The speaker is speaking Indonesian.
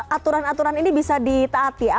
aturan aturan ini bisa ditaati ya